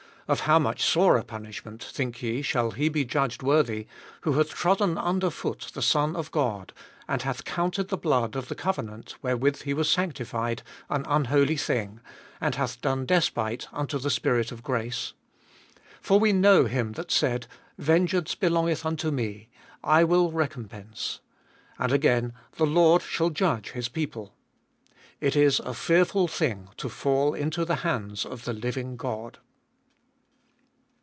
Of how much sorer punishment, think ye, shall he be judged worthy, who hath trodden under foot the Son of God, and hath counted the blood of the covenant, wherewith he was sanctified, an unholy thing, and hath done despite unto the Spirit of grace ? 30. For we know him that said, Vengeance belongeth unto me, I will re compense. And again, The Lord shall judge his people. 31. It is a fearful thing to fall into the hands of the living God.